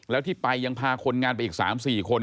แล้วที่ไปยังพาคนงานไปอีก๓๔คน